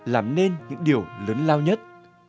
làm nên những điều lớn lao nhất